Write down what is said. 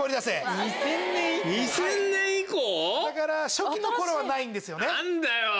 初期の頃はないんですよね。